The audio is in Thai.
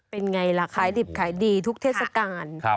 เป็นไงล่ะขายดิบขายดีทุกเทศกาล